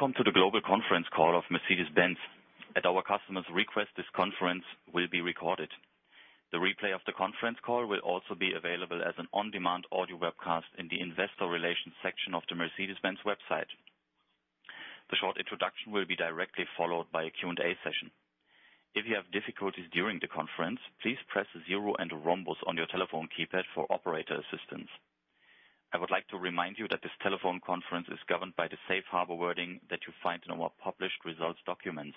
Welcome to the global conference call of Mercedes-Benz. At our customers request, this conference will be recorded. The replay of the conference call will also be available as an on-demand audio webcast in the investor relations section of the Mercedes-Benz website. The short introduction will be directly followed by a Q&A session. If you have difficulties during the conference, please press zero and rhombus on your telephone keypad for operator assistance. I would like to remind you that this telephone conference is governed by the safe harbor wording that you find in our published results documents.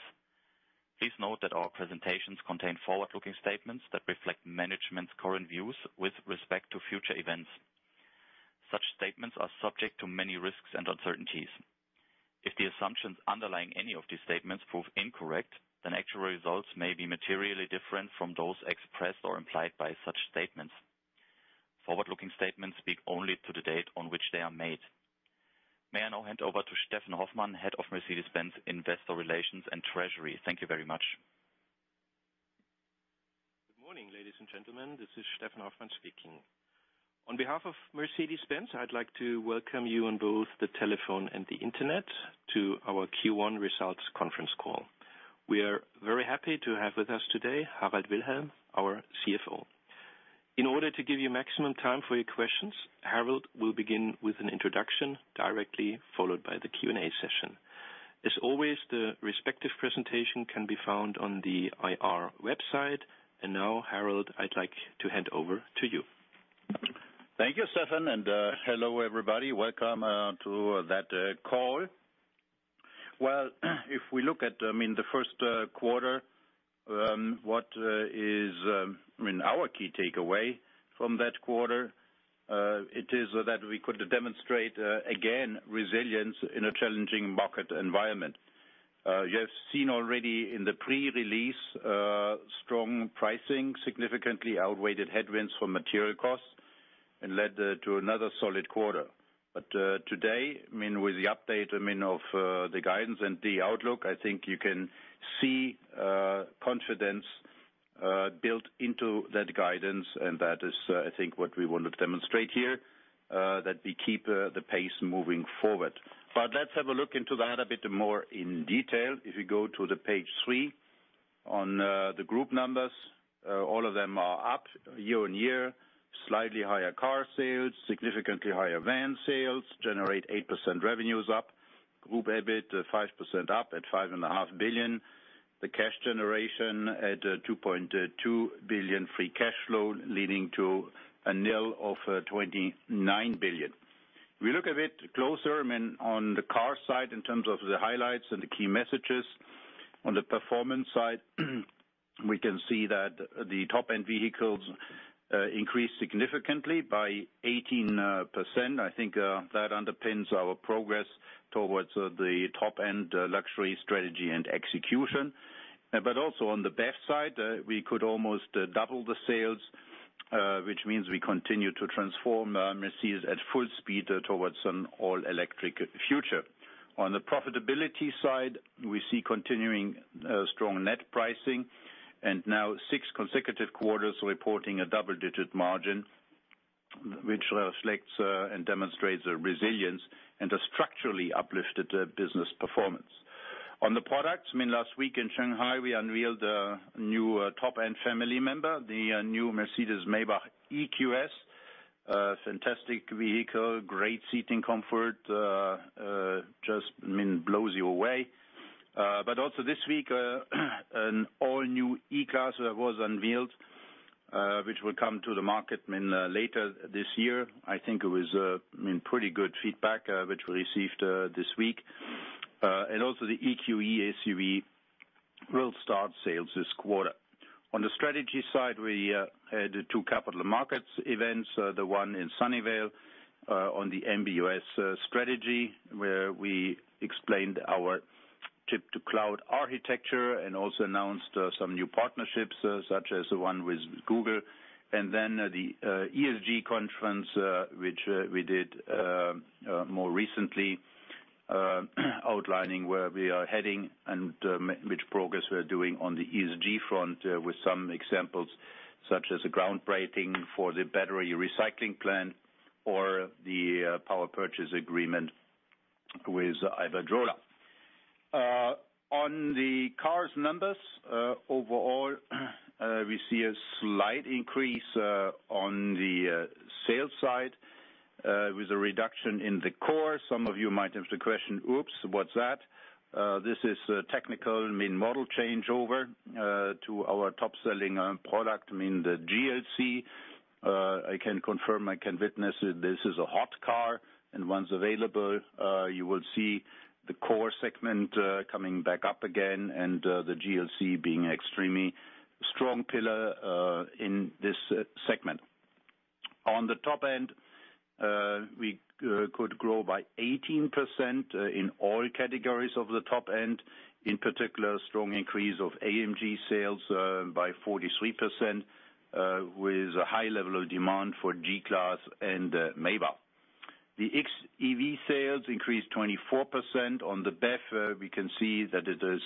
Please note that our presentations contain forward-looking statements that reflect management's current views with respect to future events. Such statements are subject to many risks and uncertainties. If the assumptions underlying any of these statements prove incorrect, then actual results may be materially different from those expressed or implied by such statements. Forward-looking statements speak only to the date on which they are made. May I now hand over to Steffen Hoffmann, Head of Mercedes-Benz Investor Relations and Treasury. Thank you very much. Good morning, ladies and gentlemen. This is Steffen Hoffmann speaking. On behalf of Mercedes-Benz, I'd like to welcome you on both the telephone and the Internet to our Q1 results conference call. We are very happy to have with us today Harald Wilhelm, our CFO. In order to give you maximum time for your questions, Harald will begin with an introduction directly followed by the Q&A session. As always, the respective presentation can be found on the IR website. Now, Harald, I'd like to hand over to you. Thank you, Steffen. Hello, everybody. Welcome to that call. Well, if we look at, I mean, the Q1, what is, I mean, our key takeaway from that quarter, it is that we could demonstrate again, resilience in a challenging market environment. You have seen already in the pre-release, strong pricing significantly outweighed headwinds for material costs and led to another solid quarter. Today, I mean, with the update, I mean, of the guidance and the outlook, I think you can see confidence built into that guidance. That is, I think what we want to demonstrate here, that we keep the pace moving forward. Let's have a look into that a bit more in detail. You go to the page three on the group numbers, all of them are up year-over-year. Slightly higher car sales, significantly higher van sales generate 8% revenues up. Group EBIT 5% up at 5.5 billion. The cash generation at 2.2 billion free cash flow, leading to a NIL of 29 billion. Look a bit closer, I mean, on the car side in terms of the highlights and the key messages. On the performance side, we can see that the Top-End Vehicles increased significantly by 18%. I think that underpins our progress towards the top-end luxury strategy and execution. Also on the BEV side, we could almost double the sales, which means we continue to transform Mercedes at full speed towards an all-electric future. On the profitability side, we see continuing strong net pricing and now six consecutive quarters reporting a double-digit margin, which reflects and demonstrates a resilience and a structurally uplifted business performance. On the products, I mean, last week in Shanghai, we unveiled a new top-end family member, the new Mercedes-Maybach EQS. Fantastic vehicle, great seating comfort, just I mean blows you away. Also this week, an all-new E-Class was unveiled, which will come to the market I mean, later this year. I think it was, I mean pretty good feedback, which we received this week. Also the EQE SUV will start sales this quarter. On the strategy side, we had two capital markets events. The one in Sunnyvale on the MB.OS strategy, where we explained our chip-to-cloud architecture and also announced some new partnerships such as the one with Google. The ESG conference which we did more recently, outlining where we are heading and which progress we are doing on the ESG front with some examples such as the groundbreaking for the battery recycling plant or the power purchase agreement with Iberdrola. On the cars numbers, overall, we see a slight increase on the sales side with a reduction in the core. Some of you might have the question, "Oops, what's that?" This is technical, I mean, model changeover to our top-selling product, I mean the GLC. I can confirm, I can witness this is a hot car. Once available, you will see the core segment coming back up again and the GLC being extremely strong pillar in this segment. On the top end, we could grow by 18% in all categories of the top end. In particular, strong increase of AMG sales by 43% with a high level of demand for G-Class and Maybach. The xEV sales increased 24%. On the BEV, we can see that it is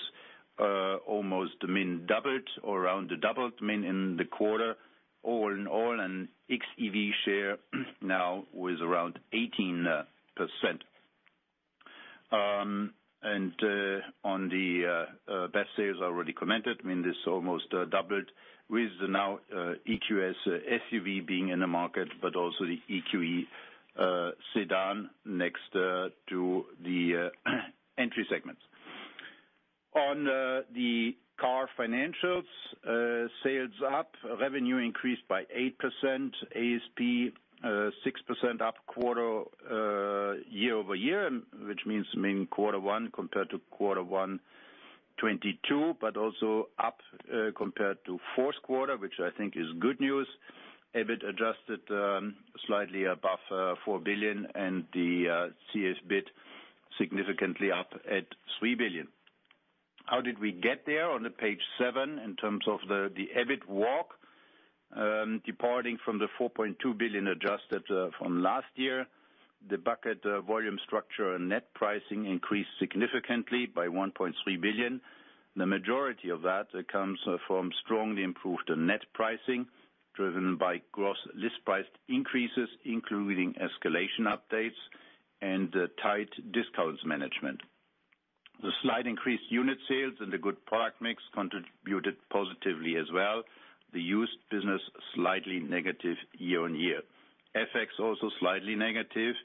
almost I mean doubled or around the doubled, I mean, in the quarter all in all, and xEV share now with around 18%. On the BEV sales already commented, I mean, this almost doubled with the now EQS SUV being in the market, but also the EQE sedan next to the entry segments. On the car financials, sales up, revenue increased by 8%, ASP 6% up year-over-year, which means, I mean, Q1 compared to Q1 2022, but also up compared to Q4, which I think is good news. EBIT adjusted slightly above 4 billion and the MBM EBIT significantly up at 3 billion. How did we get there on page 7 in terms of the EBIT walk, departing from the 4.2 billion adjusted from last year. The bucket volume structure and net pricing increased significantly by 1.3 billion. The majority of that comes from strongly improved net pricing driven by gross list price increases, including escalation updates and tight discounts management. The slight increased unit sales and the good product mix contributed positively as well. The used business slightly negative year-on-year. FX also slightly negative.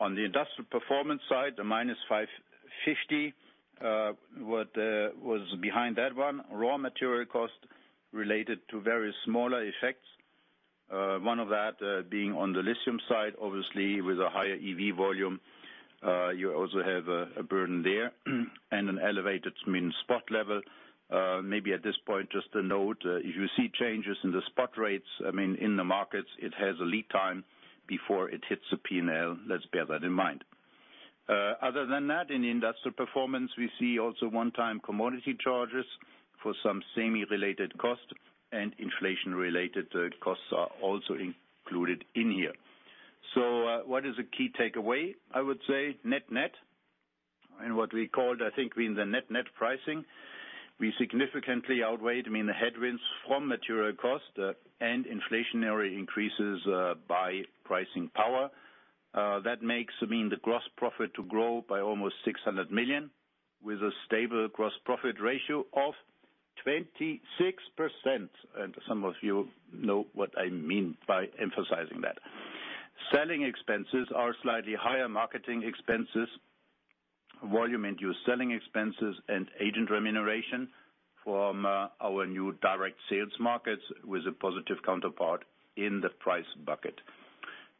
On the industrial performance side, the -550, what was behind that one, raw material cost related to various smaller effects. One of that being on the lithium side, obviously with a higher EV volume, you also have a burden there and an elevated I mean spot level. Maybe at this point, just a note, if you see changes in the spot rates, I mean, in the markets, it has a lead time before it hits the P&L. Let's bear that in mind. Other than that, in industrial performance, we see also one-time commodity charges for some semi-related costs and inflation-related costs are also included in here. What is a key takeaway? I would say net net, and what we called, I think, I mean, the net net pricing, we significantly outweighed, I mean, the headwinds from material cost and inflationary increases by pricing power. That makes, I mean, the gross profit to grow by almost 600 million with a stable gross profit ratio of 26%. Some of you know what I mean by emphasizing that. Selling expenses are slightly higher marketing expenses, volume-induced selling expenses, and agent remuneration from our new direct sales markets with a positive counterpart in the price bucket.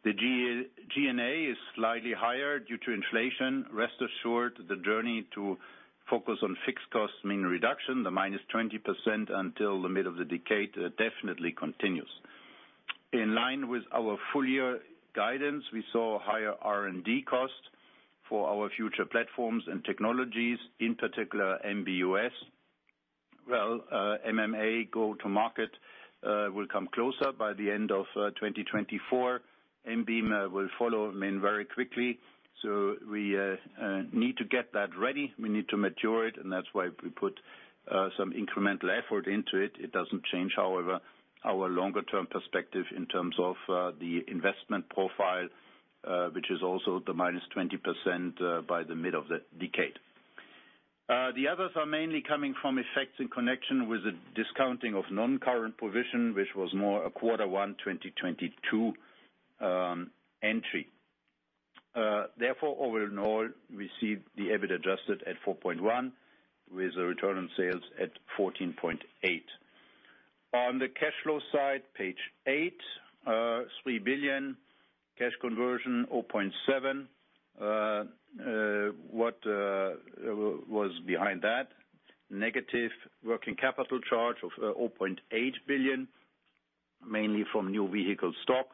The G&A is slightly higher due to inflation. Rest assured, the journey to focus on fixed costs mean reduction, the minus 20% until the middle of the decade, definitely continues. In line with our full year guidance, we saw higher R&D costs for our future platforms and technologies, in particular MB.OS. Well, MMA go to market will come closer by the end of 2024. MB will follow, I mean, very quickly. We need to get that ready. We need to mature it, and that's why we put some incremental effort into it. It doesn't change, however, our longer-term perspective in terms of the investment profile, which is also the minus 20% by the middle of the decade. The others are mainly coming from effects in connection with the discounting of non-current provision, which was more a Q1 2022 entry. Therefore, overall, we see the EBIT adjusted at 4.1% with a return on sales at 14.8%. On the cash flow side, page 8, 3 billion cash conversion 0.7. What was behind that? Negative working capital charge of 0.8 billion, mainly from new vehicle stock.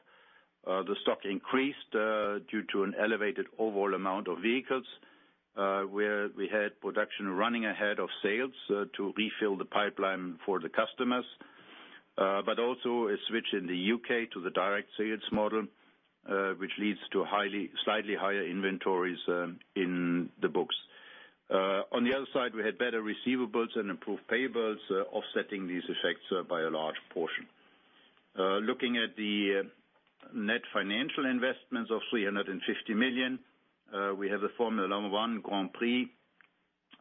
The stock increased due to an elevated overall amount of vehicles, where we had production running ahead of sales to refill the pipeline for the customers, but also a switch in the U.K. to the direct sales model, which leads to slightly higher inventories in the books. On the other side, we had better receivables and improved payables offsetting these effects by a large portion. Looking at the net financial investments of 350 million, we have a Formula One Grand Prix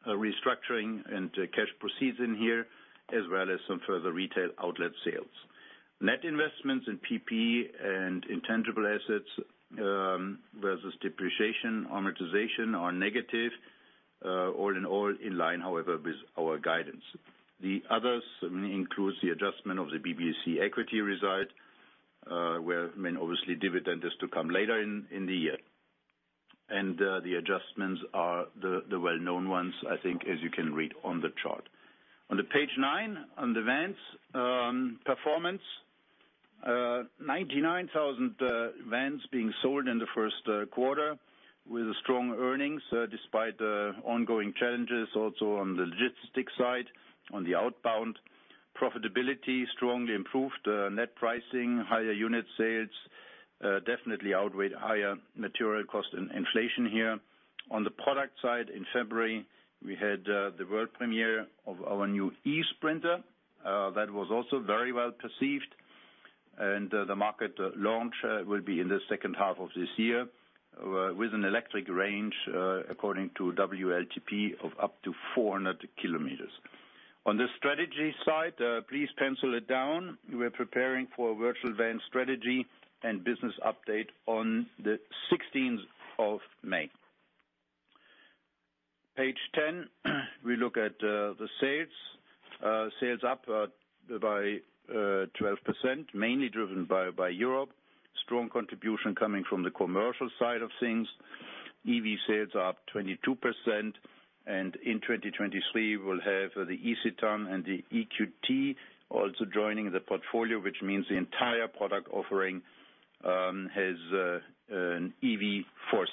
restructuring and cash proceeds in here, as well as some further retail outlet sales. Net investments in PP and intangible assets versus depreciation, amortization are negative, all in all in line, however, with our guidance. The others, I mean, includes the adjustment of the BBAC equity result, where I mean obviously dividend is to come later in the year. The adjustments are the well-known ones, I think, as you can read on the chart. On the page nine, on the vans, performance, 99,000 vans being sold in the Q1 with strong earnings, despite the ongoing challenges also on the logistics side, on the outbound. Profitability strongly improved, net pricing, higher unit sales, definitely outweighed higher material cost and inflation here. On the product side, in February, we had the world premiere of our new eSprinter, that was also very well-perceived. The market launch will be in the second half of this year, with an electric range, according to WLTP of up to 400 kilometers. On the strategy side, please pencil it down. We're preparing for a virtual Van strategy and business update on the 16th of May. Page 10, we look at the sales. Sales up by 12%, mainly driven by Europe. Strong contribution coming from the commercial side of things. EV sales are up 22%, and in 2023, we'll have the eCitan and the EQT also joining the portfolio, which means the entire product offering has an EV for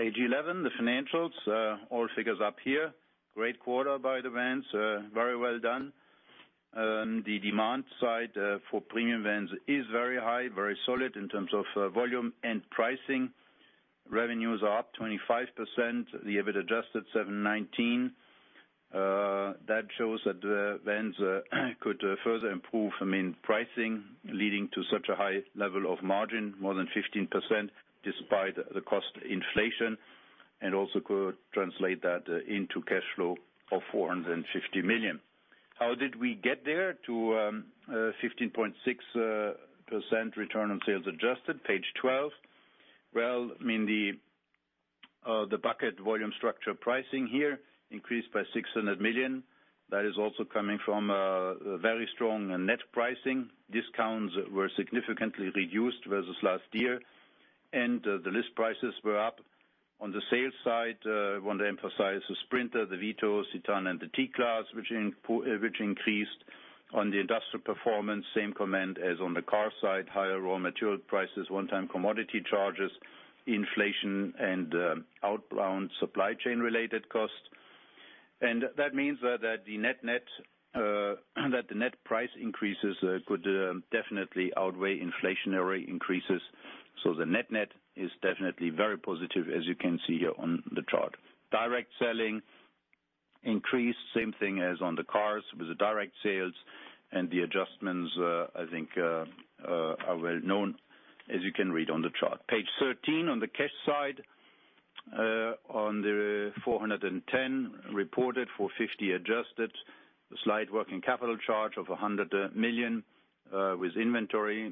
sale. Page 11, the financials. All figures up here. Great quarter by the Vans. Very well done. The demand side for premium Vans is very high, very solid in terms of volume and pricing. Revenues are up 25%. The EBIT adjusted 719 million. That shows that Vans could further improve, I mean, pricing, leading to such a high level of margin, more than 15%, despite the cost inflation, and also could translate that into cash flow of 450 million. How did we get there to 15.6% return on sales adjusted? Page 12. Well, I mean, the bucket volume structure pricing here increased by 600 million. That is also coming from a very strong net pricing. Discounts were significantly reduced versus last year, and the list prices were up. On the sales side, I want to emphasize the Sprinter, the Vito, Citan, and the T-Class, which increased. On the industrial performance, same comment as on the car side, higher raw material prices, one-time commodity charges, inflation, and outbound supply chain related costs. That means that the net-net, that the net price increases could definitely outweigh inflationary increases. The net-net is definitely very positive, as you can see here on the chart. Direct selling increased. Same thing as on the cars with the direct sales and the adjustments are well known, as you can read on the chart. Page 13, on the cash side. On the 410 reported, 450 adjusted. A slight working capital charge of 100 million with inventory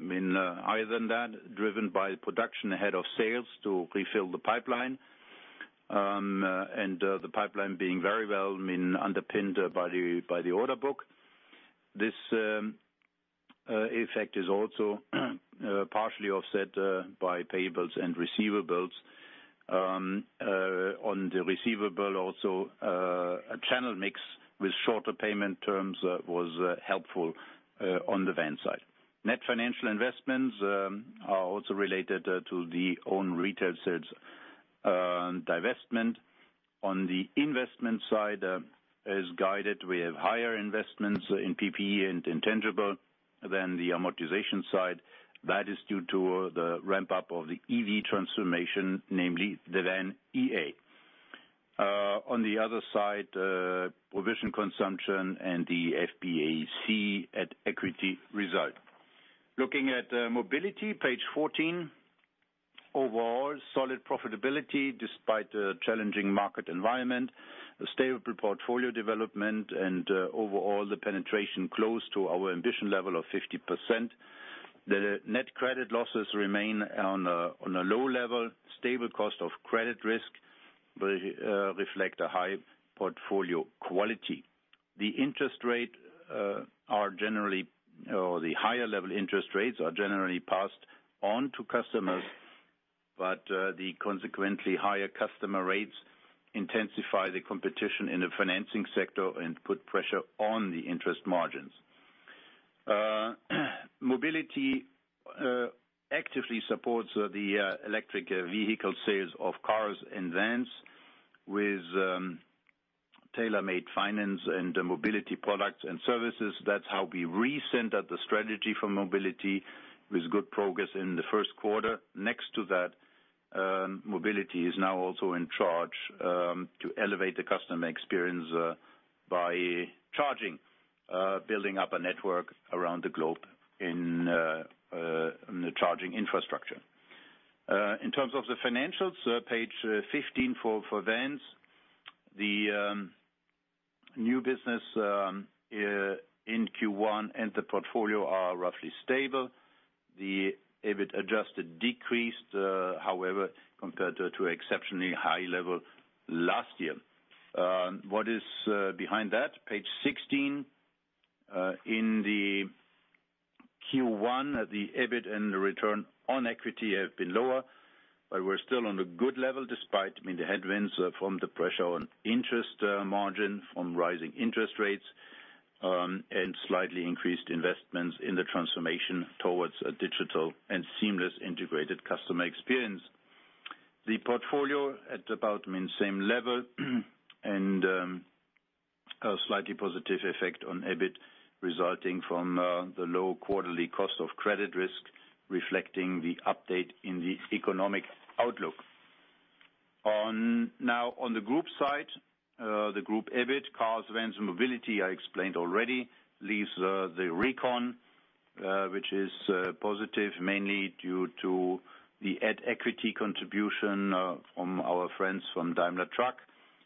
higher than that, driven by production ahead of sales to refill the pipeline. The pipeline being very well underpinned by the order book. This effect is also partially offset by payables and receivables. On the receivable also, a channel mix with shorter payment terms was helpful on the Van side. Net financial investments are also related to the own retail sales divestment. On the investment side, as guided, we have higher investments in PP&E and intangible than the amortization side. That is due to the ramp-up of the EV transformation, namely the VAN.EA. On the other side, provision consumption and the BBAC at equity result. Looking at Mobility, page 14. Overall, solid profitability despite the challenging market environment, a stable portfolio development and overall the penetration close to our ambition level of 50%. The net credit losses remain on a low level. Stable cost of credit risk reflect a high portfolio quality. The interest rate are generally, or the higher level interest rates are generally passed on to customers, but the consequently higher customer rates intensify the competition in the financing sector and put pressure on the interest margins. Mobility actively supports the electric vehicle sales of cars and Vans with tailor-made finance and Mobility products and services. That's how we recenter the strategy for Mobility with good progress in the Q1. Next to that, Mobility is now also in charge to elevate the customer experience by charging, building up a network around the globe in the charging infrastructure. In terms of the financials, page 15 for Vans. The new business in Q1 and the portfolio are roughly stable. The EBIT adjusted decreased, however, compared to exceptionally high level last year. What is behind that? Page 16. In the Q1, the EBIT and the return on equity have been lower. We're still on a good level despite, I mean, the headwinds from the pressure on interest margin from rising interest rates, and slightly increased investments in the transformation towards a digital and seamless integrated customer experience. The portfolio at about, I mean, same level, and a slightly positive effect on EBIT resulting from the low quarterly cost of credit risk reflecting the update in the economic outlook. Now, on the group side, the group EBIT, Cars, Vans & Mobility, I explained already. Leaves the recon, which is positive mainly due to the at-equity contribution from our friends from Daimler Truck,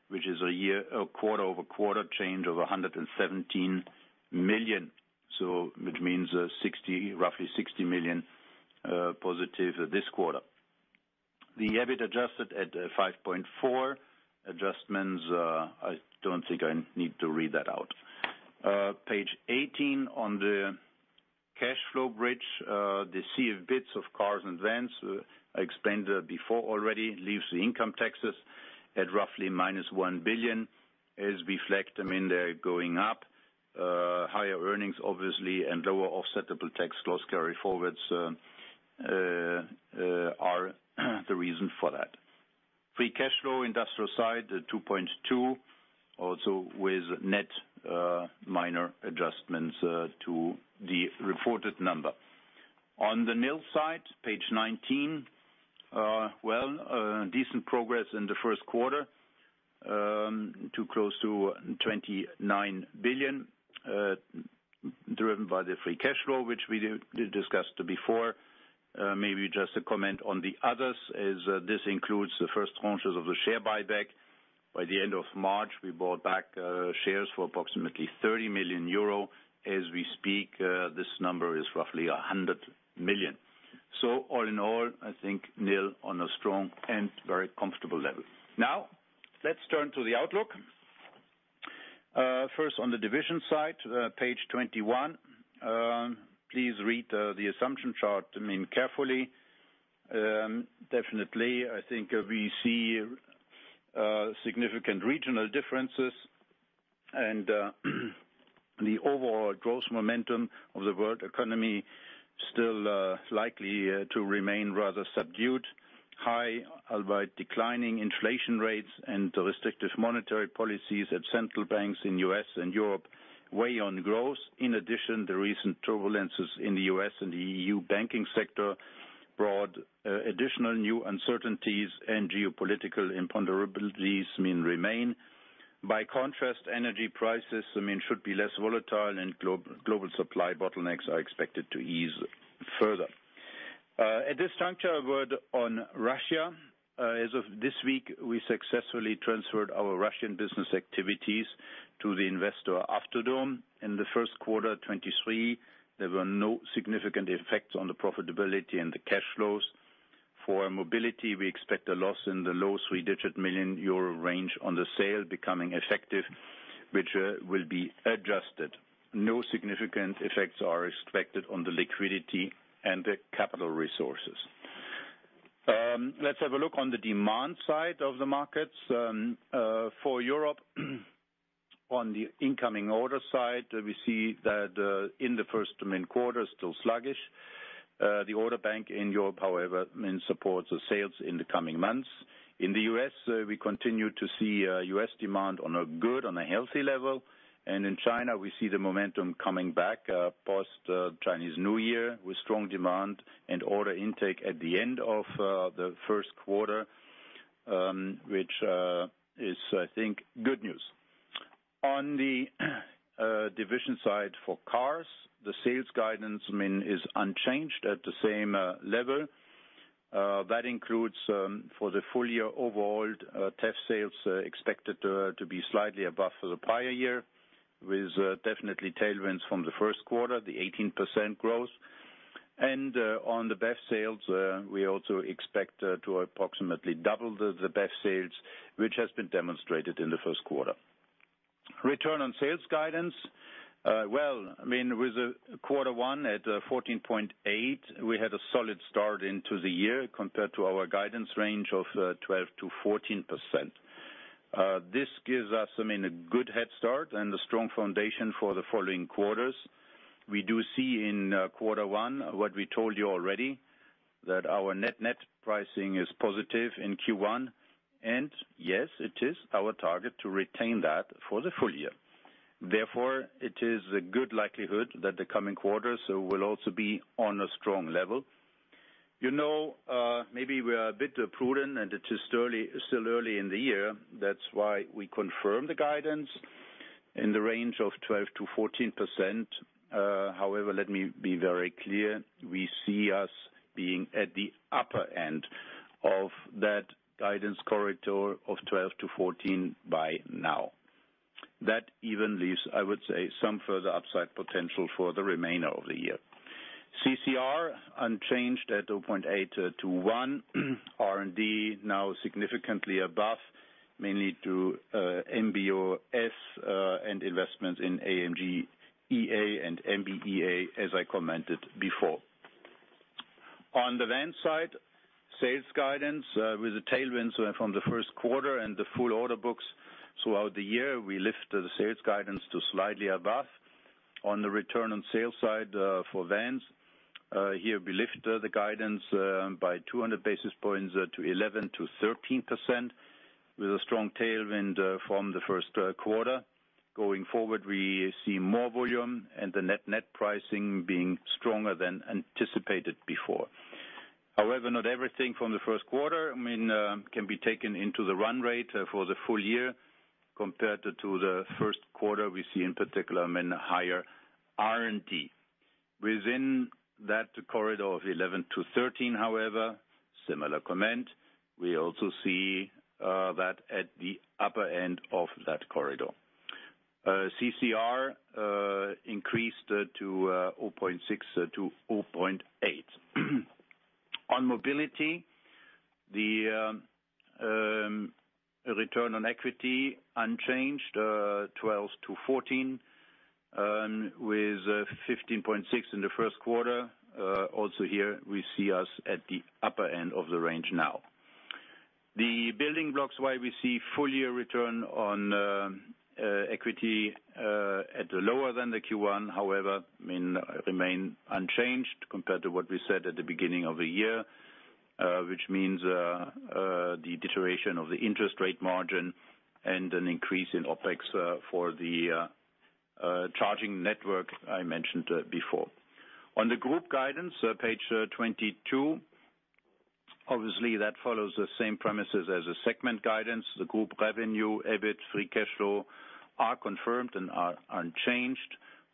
which is a quarter-over-quarter change of 117 million, which means roughly 60 million positive this quarter. The EBIT adjusted at 5.4 billion. Adjustments, I don't think I need to read that out. Page 18 on the cash flow bridge. The C of EBIT of Cars and Vans, I explained before already, leaves the income taxes at roughly minus 1 billion, as reflect, I mean, they're going up. Higher earnings obviously and lower offsettable tax loss carryforwards are the reason for that. Free cash flow industrial side, 2.2 billion, also with net minor adjustments to the reported number. On the NIL side, page 19. Well, a decent progress in the Q1, to close to 29 billion, driven by the free cash flow, which we discussed before. Maybe just a comment on the others is, this includes the first tranches of the share buyback. By the end of March, we bought back shares for approximately 30 million euro. As we speak, this number is roughly 100 million. All in all, I think NIL on a strong and very comfortable level. Now, let's turn to the outlook. First on the division side, page 21. Please read, the assumption chart, I mean, carefully. Definitely, I think we see significant regional differences. The overall gross momentum of the world economy still likely to remain rather subdued. High, albeit declining inflation rates and the restrictive monetary policies at central banks in U.S. and Europe weigh on growth. In addition, the recent turbulences in the U.S. and the EU banking sector brought additional new uncertainties and geopolitical imponderables, these I mean, remain. By contrast, energy prices, I mean, should be less volatile and global supply bottlenecks are expected to ease further. At this juncture, a word on Russia. As of this week, we successfully transferred our Russian business activities to the investor, Avtodom. In the Q1 23, there were no significant effects on the profitability and the cash flows. For Mobility, we expect a loss in the low 3-digit million euro range on the sale becoming effective, which will be adjusted. No significant effects are expected on the liquidity and the capital resources. Let's have a look on the demand side of the markets. For Europe, on the incoming order side, we see that, in the first, I mean, quarter is still sluggish. The order bank in Europe, however, I mean, supports the sales in the coming months. In the U.S., we continue to see, U.S. demand on a good, on a healthy level. In China, we see the momentum coming back, post Chinese New Year, with strong demand and order intake at the end of the Q1, which is, I think, good news. On the division side for Cars, the sales guidance, I mean, is unchanged at the same level. That includes for the full year overall, TEV sales expected to be slightly above for the prior year, with definitely tailwinds from the Q1, the 18% growth. On the BEV sales, we also expect to approximately double the BEV sales, which has been demonstrated in the Q1. Return on sales guidance. Well, I mean, with quarter one at 14.8, we had a solid start into the year compared to our guidance range of 12%-14%. This gives us, I mean, a good head start and a strong foundation for the following quarters. We do see in quarter one what we told you already, that our net-net pricing is positive in Q1, yes, it is our target to retain that for the full year. Therefore, it is a good likelihood that the coming quarters will also be on a strong level. You know, maybe we are a bit prudent, and it is still early in the year. That's why we confirm the guidance in the range of 12%-14%. However, let me be very clear, we see us being at the upper end of that guidance corridor of 12-14 by now. That even leaves, I would say, some further upside potential for the remainder of the year. CCR unchanged at 2.8-1. R&D now significantly above, mainly to MB.OS and investments in AMG.EA and MB.EA, as I commented before. On the Vans side, sales guidance, with the tailwinds from the Q1 and the full order books throughout the year, we lift the sales guidance to slightly above. On the return on sales side, for Vans, here we lift the guidance by 200 basis points to 11%-13% with a strong tailwind from the Q1. Going forward, we see more volume and the net-net pricing being stronger than anticipated before. Not everything from the Q1, I mean, can be taken into the run rate for the full year compared to the Q1 we see in particular, I mean, higher R&T. Within that corridor of 11-13, however, similar comment, we also see that at the upper end of that corridor. CCR increased to 0.6-0.8. On mobility, the return on equity unchanged, 12%-14%, with 15.6% in the Q1. Also here we see us at the upper end of the range now. The building blocks why we see full year return on equity at the lower than the Q1, however, I mean, remain unchanged compared to what we said at the beginning of the year, which means the deterioration of the interest rate margin and an increase in OpEx for the charging network I mentioned before. On the group guidance, page 22, obviously that follows the same premises as the segment guidance. The group revenue, EBIT, free cash flow are confirmed and are unchanged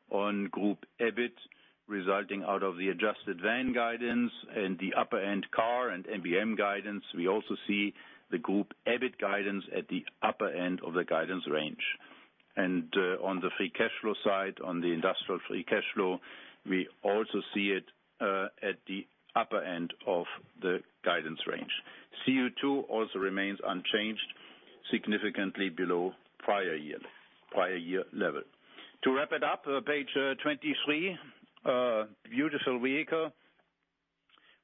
on group EBIT resulting out of the adjusted van guidance and the upper end car and MBM guidance. We also see the group EBIT guidance at the upper end of the guidance range. On the free cash flow side, on the industrial free cash flow, we also see it at the upper end of the guidance range. CO2 also remains unchanged, significantly below prior year level. To wrap it up, page 23, beautiful vehicle.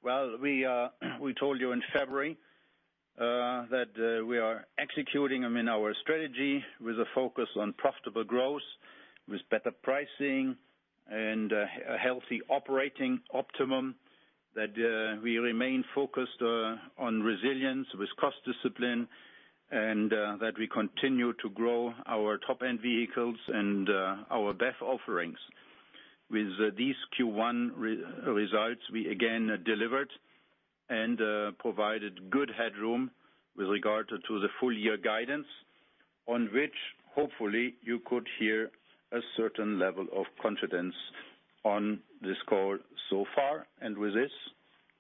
Well, we told you in February that we are executing, I mean, our strategy with a focus on profitable growth, with better pricing and a healthy operating optimum, that we remain focused on resilience with cost discipline and that we continue to grow our Top-End Vehicles and our BEV offerings. With these Q1 re-results, we again delivered and provided good headroom with regard to the full year guidance on which hopefully you could hear a certain level of confidence on this call so far. With this,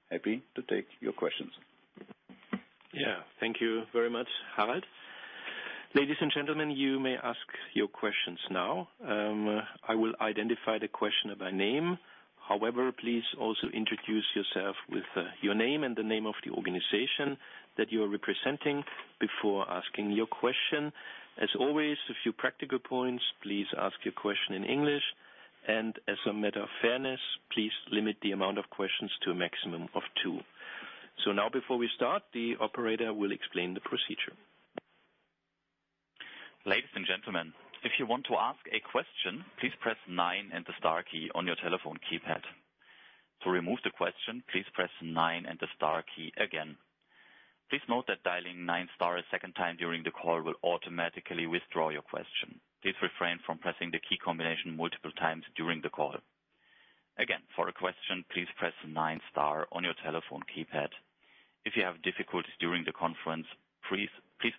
happy to take your questions. Yeah. Thank you very much, Harald. Ladies and gentlemen, you may ask your questions now. I will identify the questioner by name. However, please also introduce yourself with your name and the name of the organization that you are representing before asking your question. As always, a few practical points. Please ask your question in English, and as a matter of fairness, please limit the amount of questions to a maximum of two. Now before we start, the operator will explain the procedure. Ladies and gentlemen, if you want to ask a question, please press nine and the star key on your telephone keypad. To remove the question, please press nine and the star key again. Please note that dialing nine star a second time during the call will automatically withdraw your question. Please refrain from pressing the key combination multiple times during the call. Again, for a question, please press nine star on your telephone keypad. If you have difficulties during the conference, please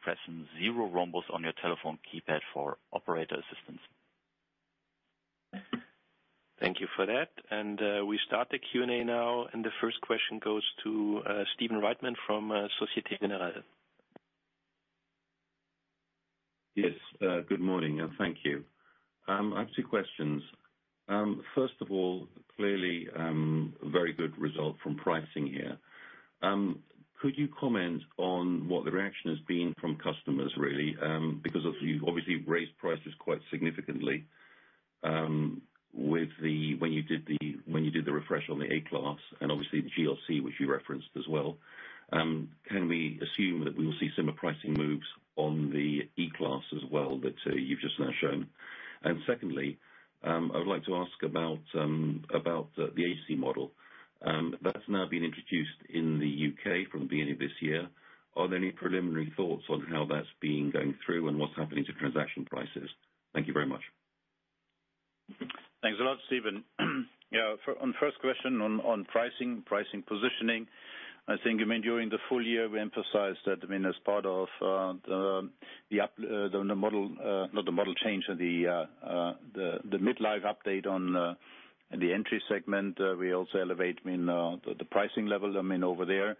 press zero rhombus on your telephone keypad for operator assistance. Thank you for that. We start the Q&A now, and the first question goes to Stephen Reitman from Societe Generale. Yes, good morning, thank you. I have two questions. 1st of all, clearly, very good result from pricing here. Could you comment on what the reaction has been from customers, really? Because you've obviously raised prices quite significantly, with the, when you did the refresh on the A-Class and obviously the GLC which you referenced as well. Can we assume that we will see similar pricing moves on the E-Class as well, that you've just now shown? secondly, I would like to ask about the agency model that's now been introduced in the U.K. from the beginning of this year. Are there any preliminary thoughts on how that's been going through and what's happening to transaction prices? Thank you very much. Thanks a lot, Stephen. On first question on pricing positioning. I think during the full year, we emphasized that as part of not the model change, the midlife update on the entry segment, we also elevate the pricing level over there.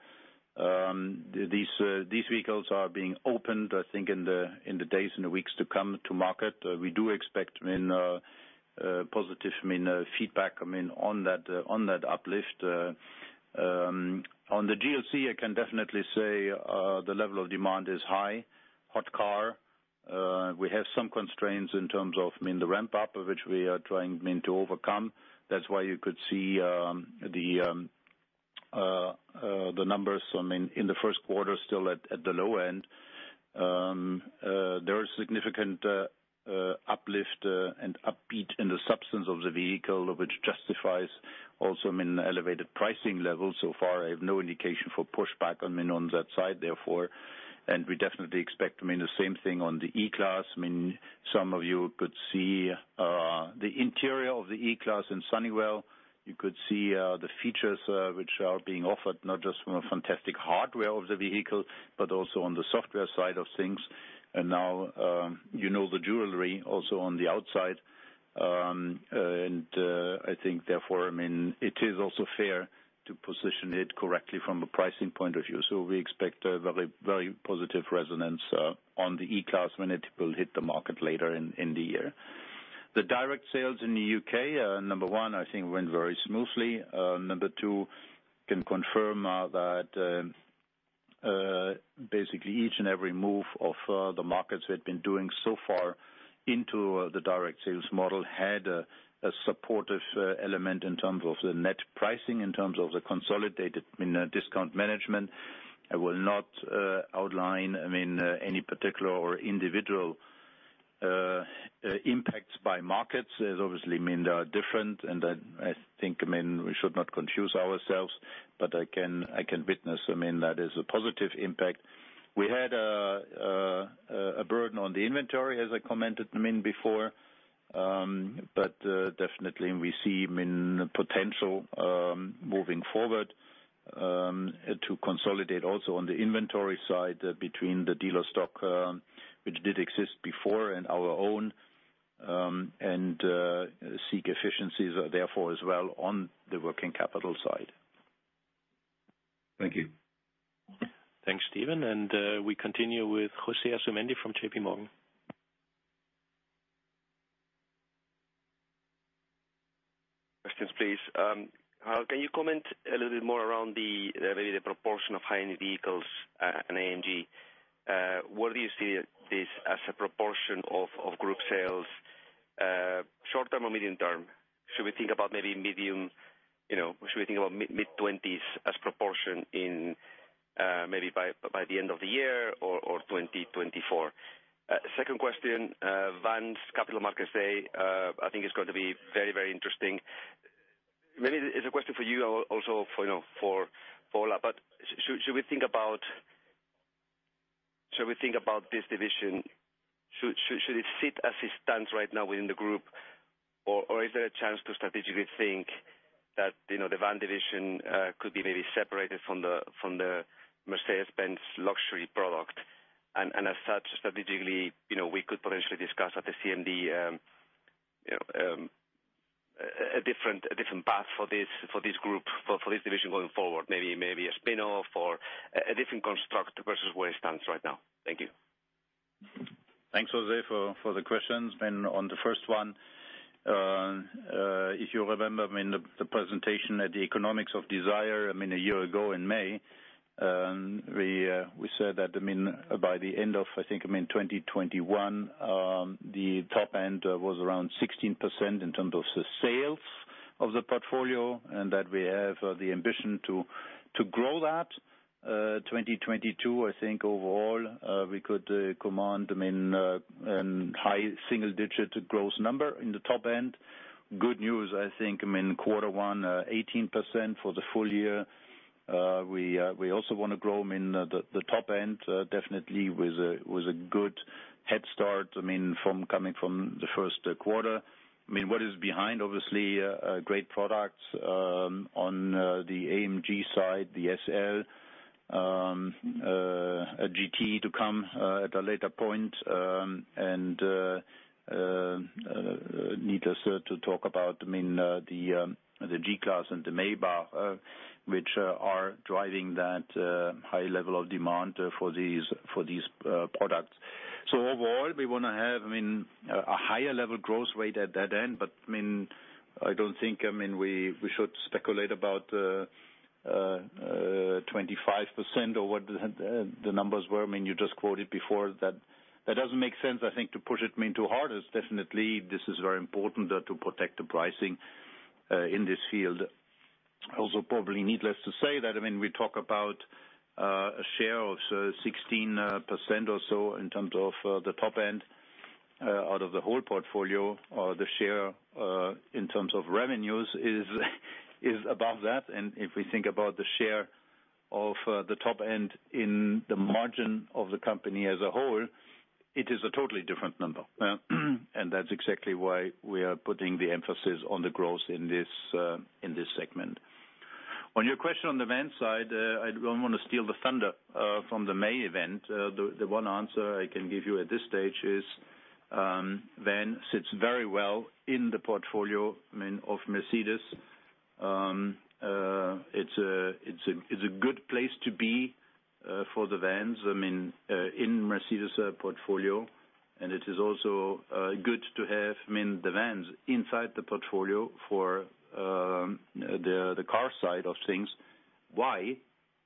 These vehicles are being opened, I think, in the days and the weeks to come to market. We do expect positive feedback on that uplift. On the GLC, I can definitely say the level of demand is high. Hot car. We have some constraints in terms of the ramp-up, which we are trying to overcome. That's why you could see the numbers, I mean, in the Q1 still at the low end. There is significant uplift and upbeat in the substance of the vehicle of which justifies also, I mean, the elevated pricing levels. So far, I have no indication for pushback, I mean, on that side, therefore, and we definitely expect, I mean, the same thing on the E-Class. I mean, some of you could see the interior of the E-Class in Sunnyvale. You could see the features which are being offered, not just from a fantastic hardware of the vehicle, but also on the software side of things. Now, you know the jewelry also on the outside. I think therefore, I mean, it is also fair to position it correctly from a pricing point of view. We expect a very, very positive resonance on the E-Class when it will hit the market later in the year. The direct sales in the U.K., number one, I think went very smoothly. Number two, can confirm that basically each and every move of the markets we had been doing so far into the direct sales model had a supportive element in terms of the net pricing, in terms of the consolidated, I mean, discount management. I will not outline, I mean, any particular or individual impacts by markets, as obviously, I mean, they are different, and I think, I mean, we should not confuse ourselves, but I can witness, I mean, that is a positive impact. We had a burden on the inventory, as I commented, I mean, before. Definitely we see, I mean, potential moving forward to consolidate also on the inventory side between the dealer stock which did exist before and our own and seek efficiencies therefore, as well on the working capital side. Thank you. Thanks, Stephen, we continue with José Asumendi from JPMorgan. Questions, please. How can you comment a little bit more around the, maybe the proportion of high-end vehicles in AMG? Where do you see this as a proportion of group sales, short-term or medium-term? Should we think about, you know, mid-20s as proportion in maybe by the end of the year or 2024? Second question, Vans Capital Markets Day, I think it's going to be very interesting. Maybe it's a question for you also for, you know, for Ola, but should we think about this division? Should it sit as it stands right now within the group? Is there a chance to strategically think that, you know, the Van division could be maybe separated from the Mercedes-Benz luxury product? As such, strategically, you know, we could potentially discuss at the CMD, you know, a different path for this group, for this division going forward. Maybe a spin-off or a different construct versus where it stands right now. Thank you. Thanks, Jose, for the questions. On the first one, if you remember, I mean, the presentation at the Economics of Desire, I mean, a year ago in May, we said that, I mean, by the end of, I think, I mean, 2021, the top end was around 16% in terms of the sales of the portfolio, and that we have the ambition to grow that. 2022, I think overall, we could command, I mean, high single digit growth number in the top end. Good news, I think, I mean, quarter one, 18% for the full year. We also wanna grow, I mean, the top end, definitely with a good head start, I mean, from coming from the Q1. I mean, what is behind, obviously, great products, on the AMG side, the SL, a GT to come at a later point, and needless to talk about, I mean, the G-Class and the Maybach, which are driving that high level of demand for these, for these products. Overall, we wanna have, I mean, a higher level growth rate at that end, but I mean, I don't think, I mean, we should speculate about 25% or what the numbers were, I mean, you just quoted before that. That doesn't make sense, I think, to push it, I mean, too hard. It's definitely, this is very important, to protect the pricing, in this field. Probably needless to say that, I mean, we talk about a share of 16% or so in terms of the top end out of the whole portfolio. The share in terms of revenues is above that. If we think about the share of the top end in the margin of the company as a whole, it is a totally different number. That's exactly why we are putting the emphasis on the growth in this in this segment. On your question on the Van side, I don't wanna steal the thunder from the May event. The one answer I can give you at this stage is Van sits very well in the portfolio, I mean, of Mercedes. It's a good place to be for the Vans, I mean, in Mercedes-Benz portfolio, and it is also good to have, I mean, the Vans inside the portfolio for the car side of things. Why?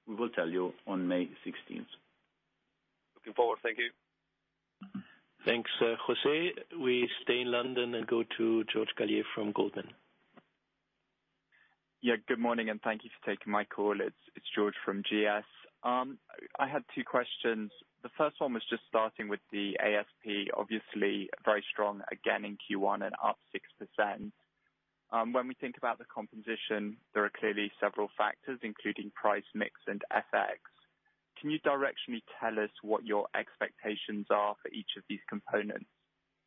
We will tell you on May 16th. Looking forward. Thank you. Thanks, José. We stay in London and go to George Galliers from Goldman. Yeah. Good morning, thank you for taking my call. It's George from GS. I had two questions. The first one was just starting with the ASP. Obviously, very strong again in Q1 and up 6%. When we think about the composition, there are clearly several factors, including price mix and FX. Can you directionally tell us what your expectations are for each of these components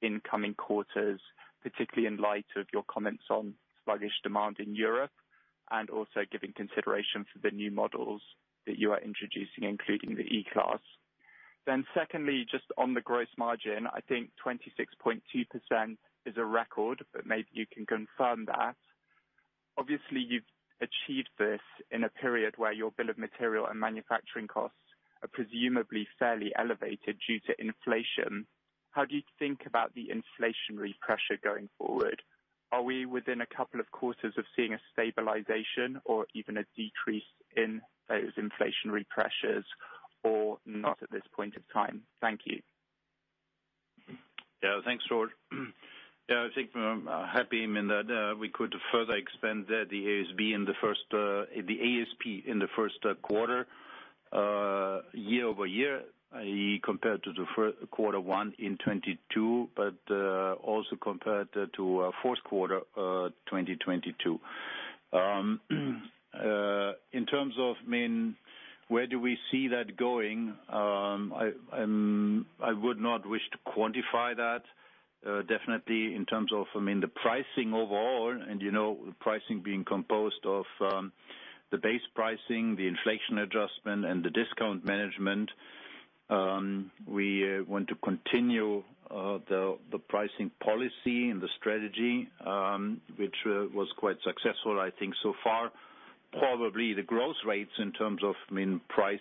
in coming quarters, particularly in light of your comments on sluggish demand in Europe and also giving consideration for the new models that you are introducing, including the E-Class? Secondly, just on the gross margin, I think 26.2% is a record, but maybe you can confirm that. Obviously, you've achieved this in a period where your bill of material and manufacturing costs are presumably fairly elevated due to inflation. How do you think about the inflationary pressure going forward? Are we within a couple of quarters of seeing a stabilization or even a decrease in those inflationary pressures or not at this point in time? Thank you. Thanks, George. Yeah, I think I'm happy in that we could further expand the ASP in the Q1, year-over-year, compared to quarter 1 in 2022, but also compared to Q4, 2022. In terms of, I mean, where do we see that going? I would not wish to quantify that. Definitely in terms of, I mean, the pricing overall and, you know, pricing being composed of the base pricing, the inflation adjustment and the discount management, we want to continue the pricing policy and the strategy, which was quite successful, I think so far. Probably the growth rates in terms of, I mean, price,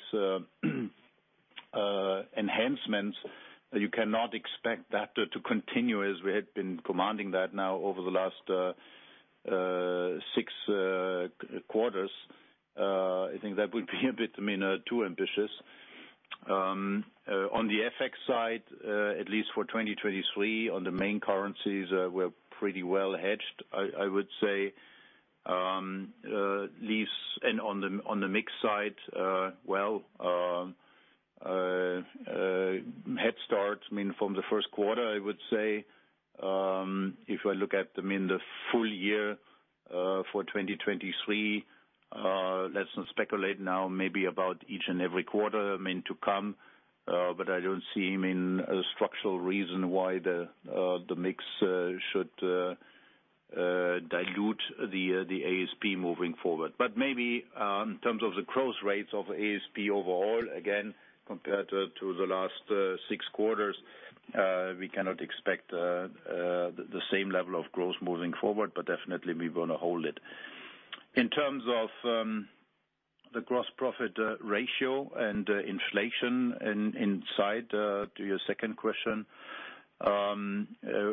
enhancements, you cannot expect that to continue as we had been commanding that now over the last six quarters. I think that would be a bit, I mean, too ambitious. On the FX side, at least for 2023, on the main currencies, we're pretty well hedged, I would say. leaves and on the mix side, well, head start, I mean, from the Q1, I would say, if I look at the, I mean, the full year for 2023, let's not speculate now maybe about each and every quarter I mean to come, but I don't see, I mean, a structural reason why the mix should dilute the ASP moving forward. But maybe, in terms of the growth rates of ASP overall, again, compared to the last six quarters, we cannot expect the same level of growth moving forward, but definitely we want to hold it. In terms of the gross profit ratio and inflation in, inside, to your second question,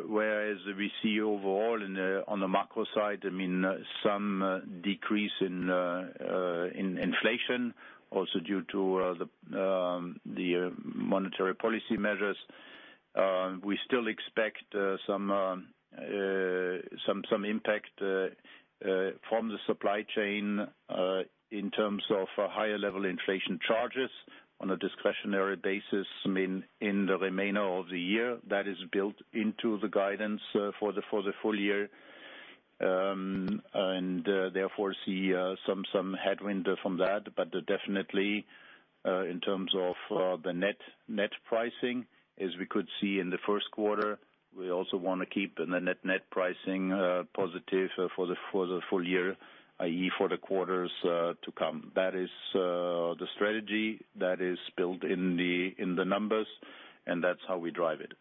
whereas we see overall on the macro side, I mean, some decrease in inflation also due to the monetary policy measures, we still expect some impact from the supply chain in terms of a higher level inflation charges on a discretionary basis, I mean, in the remainder of the year. That is built into the guidance for the full year, and therefore see some headwind from that. Definitely, in terms of, the net pricing, as we could see in the Q1, we also want to keep a net-net pricing, positive for the, for the full year, i.e., for the quarters, to come. That is, the strategy that is built in the, in the numbers, and that's how we drive it.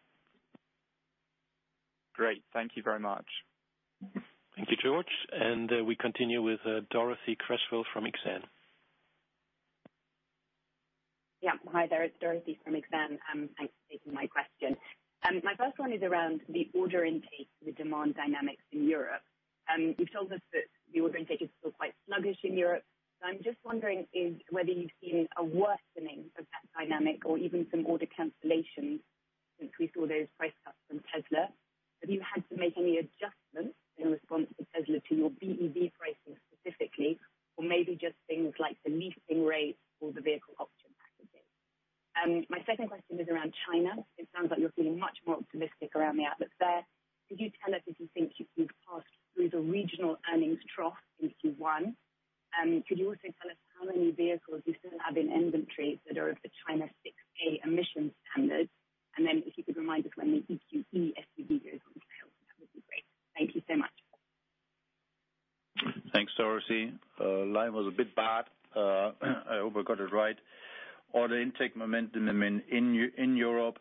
Great. Thank you very much. Thank you, George. We continue with Dorothee Cresswell from Exane. Yeah. Hi there, it's Dorothee from Exane. Thanks for taking my question. My first one is around the order intake, the demand dynamics in Europe. You've told us that the order intake is still quite sluggish in Europe. I'm just wondering is whether you've seen a worsening of that dynamic or even some order cancellations, since we saw those price cuts from Tesla. Have you had to make any adjustments in response to Tesla to your BEV pricing specifically, or maybe just things like the leasing rates or the vehicle option packages? My second question is around China. It sounds like you're feeling much more optimistic around the outlook there. Could you tell us if you think you've passed through the regional earnings trough in Q1? Could you also tell us how many vehicles you still have in inventory that are of the China 6a emission standard? If you could remind us when the EQE SUV goes on sale, that would be great. Thank you so much. Thanks, Dorothee. The line was a bit bad. I hope I got it right. Order intake momentum in Europe.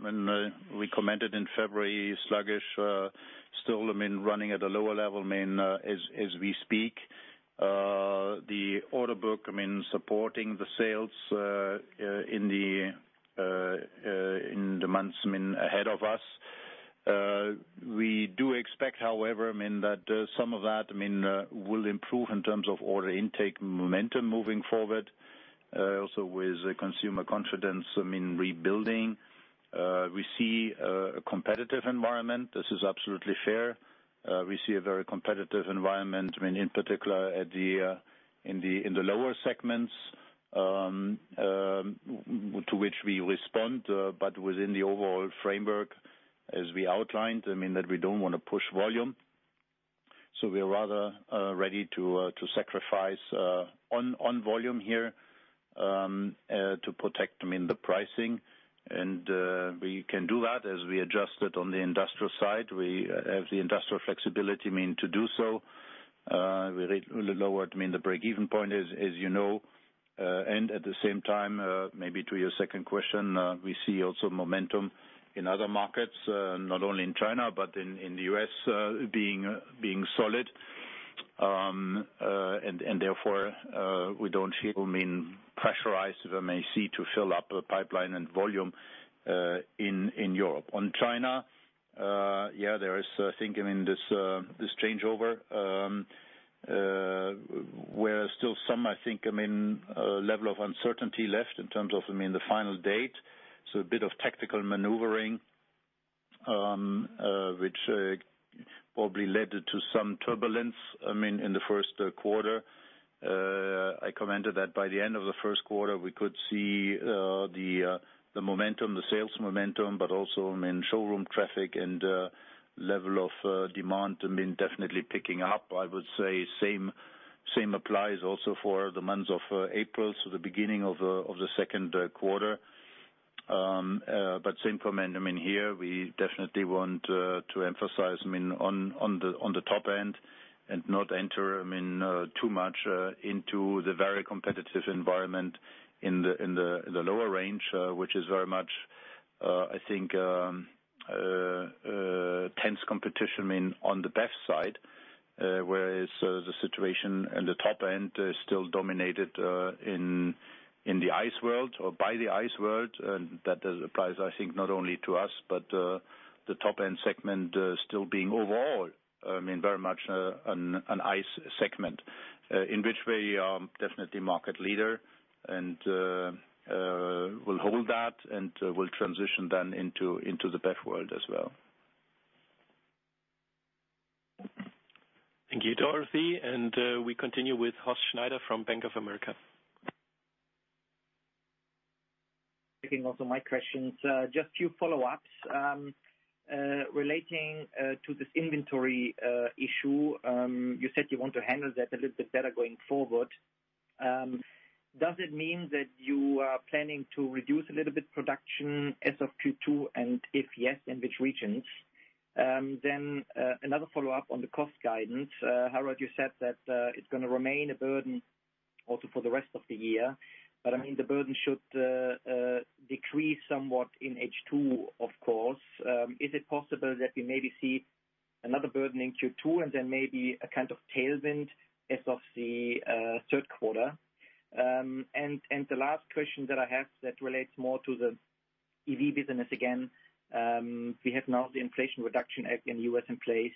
When we commented in February, sluggish, still, I mean, running at a lower level, I mean, as we speak. The order book, I mean, supporting the sales in the months, I mean, ahead of us. We do expect, however, I mean, that some of that, I mean, will improve in terms of order intake momentum moving forward, also with consumer confidence, I mean, rebuilding. We see a competitive environment. This is absolutely fair. We see a very competitive environment when in particular at the in the lower segments to which we respond, but within the overall framework as we outlined, I mean, that we don't wanna push volume. We are rather ready to sacrifice on volume here to protect, I mean, the pricing. We can do that as we adjust it on the industrial side. We have the industrial flexibility, I mean, to do so. We re-lowered, I mean, the break-even point, as you know. At the same time, maybe to your second question, we see also momentum in other markets, not only in China, but in the US, being solid. Therefore, we don't feel, I mean, pressurized, if I may say, to fill up a pipeline and volume in Europe. On China, yeah, there is, I think, I mean, this changeover, where still some, I think, I mean, level of uncertainty left in terms of, I mean, the final date, so a bit of tactical maneuvering, which probably led to some turbulence, I mean, in the Q1. I commented that by the end of the Q1, we could see the momentum, the sales momentum, but also, I mean, showroom traffic and level of demand, I mean, definitely picking up. I would say same applies also for the months of April, so the beginning of the Q2. Same for me, I mean, here we definitely want to emphasize, I mean, on the Top-End and not enter, I mean, too much into the very competitive environment in the lower range, which is very much, I think, tense competition, I mean, on the BEV side. The situation at the Top-End is still dominated in the ICE world or by the ICE world, and that does applies, I think, not only to us, but the Top-End segment, still being overall, I mean, very much an ICE segment, in which we are definitely market leader and will hold that and will transition then into the BEV world as well. Thank you, Dorothee. We continue with Horst Schneider from Bank of America. Taking also my questions. Just few follow-ups relating to this inventory issue. You said you want to handle that a little bit better going forward. Does it mean that you are planning to reduce a little bit production as of Q2, and if yes, in which regions? Another follow-up on the cost guidance. Harald, you said that it's gonna remain a burden also for the rest of the year, I mean, the burden should decrease somewhat in H2, of course. Is it possible that we maybe see another burden in Q2 and then maybe a kind of tailwind as of the Q3? The last question that I have that relates more to the EV business again, we have now the Inflation Reduction Act in the US in place.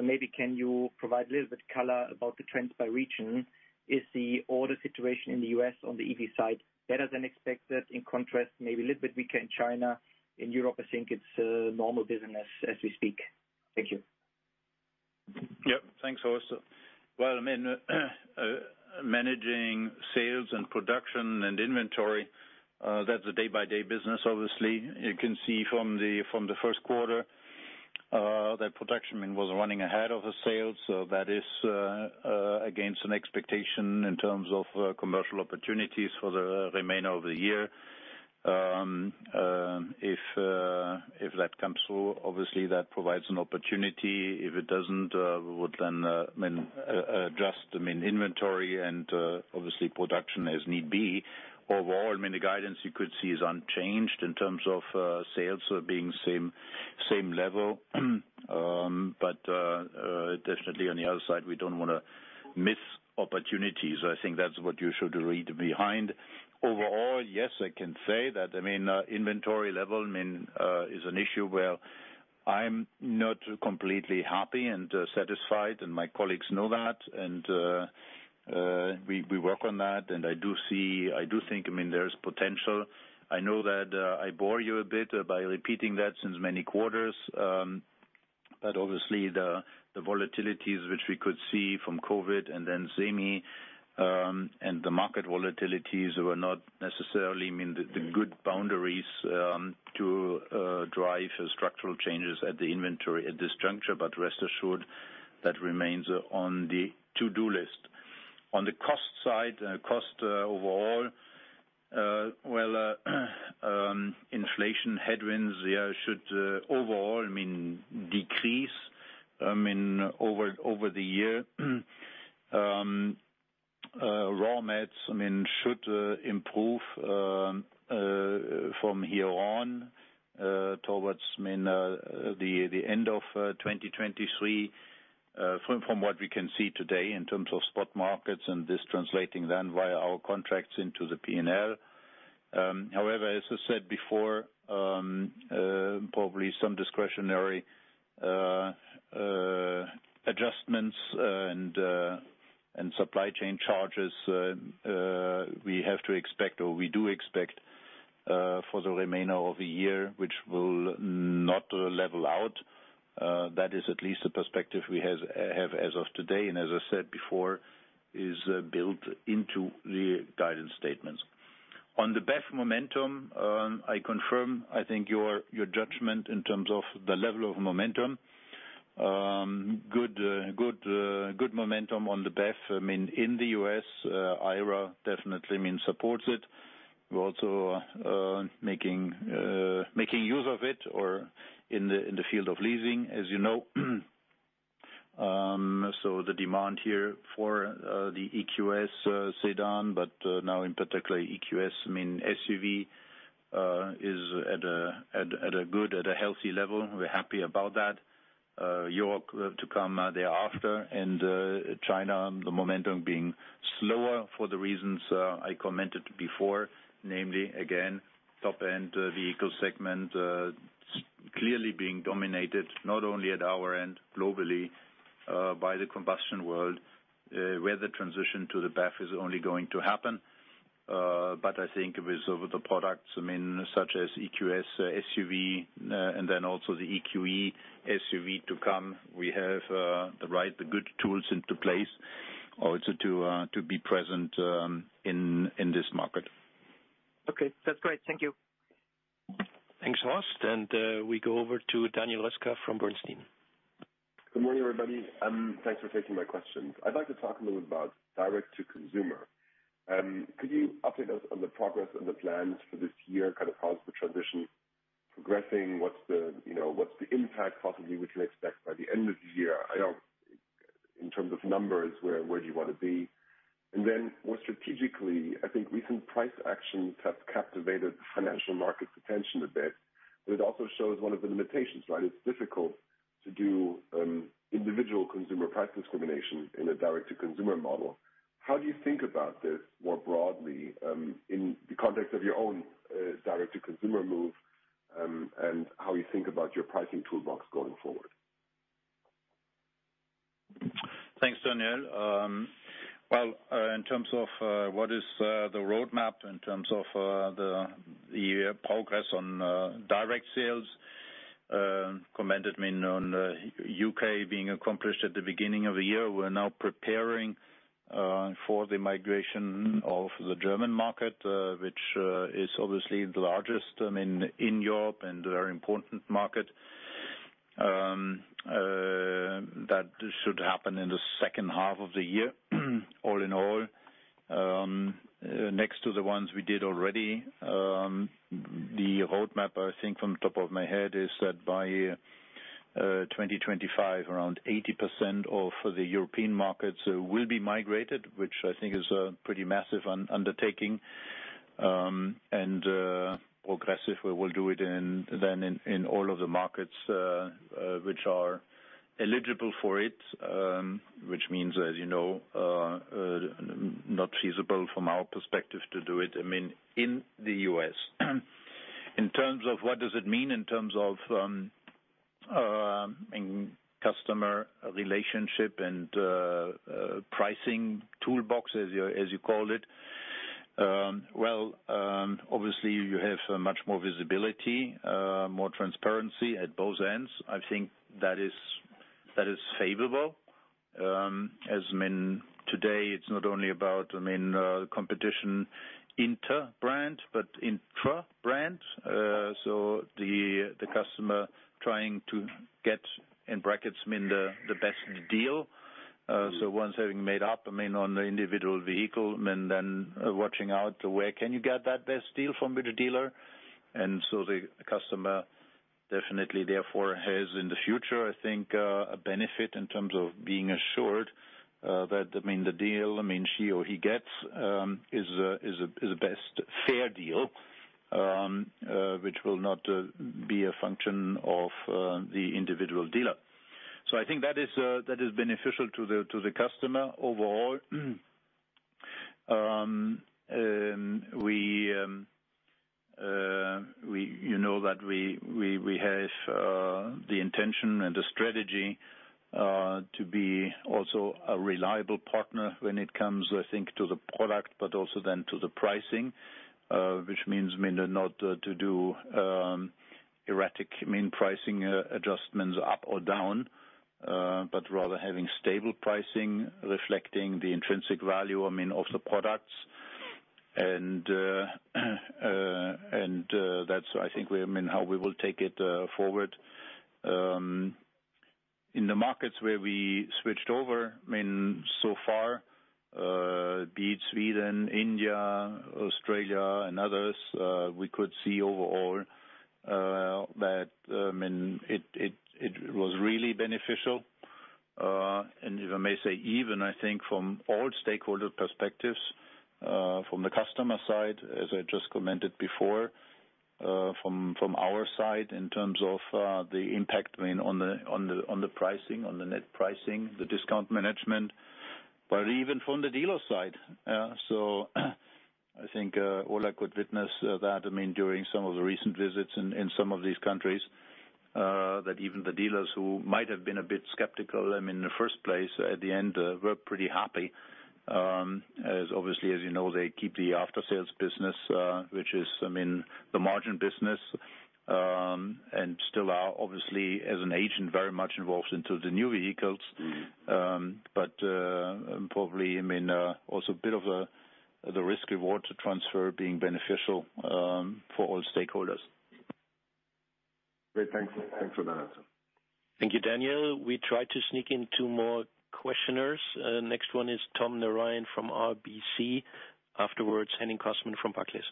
Maybe can you provide a little bit color about the trends by region? Is the order situation in the US on the EV side better than expected? In contrast, maybe a little bit weaker in China. In Europe, I think it's normal business as we speak. Thank you. Yep. Thanks, Horst. I mean, managing sales and production and inventory, that's a day-by-day business, obviously. You can see from the Q1 that production, I mean, was running ahead of the sales. That is against an expectation in terms of commercial opportunities for the remainder of the year. If that comes through, obviously that provides an opportunity. If it doesn't, we would then, I mean, adjust, I mean, inventory and obviously production as need be. Overall, I mean, the guidance you could see is unchanged in terms of sales, being same level. Definitely on the other side, we don't wanna miss opportunities. I think that's what you should read behind. Overall, yes, I can say that, I mean, inventory level, I mean, is an issue where I'm not completely happy and satisfied, and my colleagues know that, and we work on that. I do see, I do think, I mean, there is potential. I know that I bore you a bit by repeating that since many quarters. Obviously the volatilities which we could see from COVID and then semi, and the market volatilities were not necessarily, I mean, the good boundaries to drive structural changes at the inventory at this juncture. Rest assured, that remains on the to-do list. On the cost side, cost overall, well, inflation headwinds, yeah, should overall, I mean, decrease, I mean, over the year. Raw mats, I mean, should improve from here on, towards, I mean, the end of 2023. From what we can see today in terms of spot markets and this translating then via our contracts into the P&L. However, as I said before, probably some discretionary adjustments and supply chain charges we have to expect or we do expect for the remainder of the year, which will not level out. That is at least the perspective we have as of today, and as I said before, is built into the guidance statements. On the BEV momentum, I confirm, I think your judgment in terms of the level of momentum. Good momentum on the BEV, I mean, in the U.S., IRA definitely, I mean, supports it. We're also making use of it or in the field of leasing, as you know. The demand here for the EQS sedan, but now in particular EQS, I mean, SUV, is at a good, at a healthy level. We're happy about that. Europe to come thereafter, and China, the momentum being slower for the reasons I commented before, namely, again, top-end vehicle segment clearly being dominated not only at our end globally by the combustion world, where the transition to the BEV is only going to happen. I think with some of the products, I mean, such as EQS SUV, and then also the EQE SUV to come, we have the right, the good tools into place also to be present in this market. Okay. That's great. Thank you. Thanks, Horst. We go over to Daniel Roeska from Bernstein. Good morning, everybody. Thanks for taking my questions. I'd like to talk a little about direct-to-consumer. Could you update us on the progress and the plans for this year, kind of how's the transition progressing? You know, what's the impact possibly we can expect by the end of the year? You know, in terms of numbers, where do you want to be? More strategically, I think recent price actions have captivated the financial market's attention a bit, but it also shows one of the limitations, right? It's difficult to do individual consumer price discrimination in a direct-to-consumer model. How do you think about this more broadly in the context of your own direct-to-consumer move, and how you think about your pricing toolbox going forward? Thanks, Daniel. Well, in terms of what is the roadmap in terms of the progress on direct sales, commented, I mean, on U.K. being accomplished at the beginning of the year. We're now preparing for the migration of the German market, which is obviously the largest, I mean, in Europe and very important market. That should happen in the second half of the year, all in all. Next to the ones we did already, the roadmap, I think off the top of my head, is that by 2025, around 80% of the European markets will be migrated, which I think is a pretty massive undertaking, and progressive. We will do it in all of the markets which are eligible for it, which means, as you know, not feasible from our perspective to do it, I mean, in the U.S. In terms of what does it mean in terms of customer relationship and pricing toolbox, as you call it. Well, obviously you have much more visibility, more transparency at both ends. I think that is favorable. As, I mean, today it's not only about, I mean, the competition inter-brand, but intra-brand. The customer trying to get, in brackets, I mean, the best deal. Once having made up, I mean, on the individual vehicle and then watching out where can you get that best deal from the dealer. The customer definitely therefore has, in the future, I think, a benefit in terms of being assured that, I mean, the deal, I mean, she or he gets, is the best fair deal, which will not be a function of the individual dealer. I think that is that is beneficial to the customer overall. We, you know that we have the intention and the strategy to be also a reliable partner when it comes, I think, to the product, but also then to the pricing, which means, I mean, not to do erratic, I mean, pricing adjustments up or down, but rather having stable pricing reflecting the intrinsic value, I mean, of the products. That's, I think we, I mean, how we will take it forward, in the markets where we switched over, I mean, so far, be it Sweden, India, Australia and others, we could see overall, that, I mean, it was really beneficial. If I may say, even I think from all stakeholder perspectives, from the customer side, as I just commented before, from our side in terms of the impact, I mean, on the pricing, on the net pricing, the discount management. Even from the dealer side, so I think, Ola could witness that. I mean, during some of the recent visits in some of these countries, that even the dealers who might have been a bit skeptical, I mean, in the first place at the end, were pretty happy. As obviously as you know, they keep the after-sales business, which is, I mean, the margin business, and still are obviously as an agent, very much involved into the new vehicles. Probably, I mean, also a bit of the risk reward to transfer being beneficial for all stakeholders. Great. Thanks. Thanks for that. Thank you, Daniel. We try to sneak in two more questioners. Next one is Tom Narayan from RBC, afterwards Henning Cosman from Barclays.